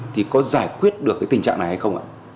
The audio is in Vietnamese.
thì có giải quyết được cái tình trạng này hay không ạ